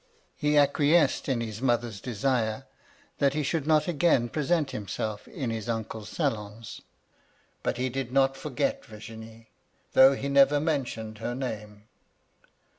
He acqui esced in his mother's desire, that he should not again present himself in his uncle's salons ; but he did not 120 MY LADY LUDLOW. forget Virginie, though he never mentioned her name.